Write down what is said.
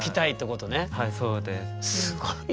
すごいよ。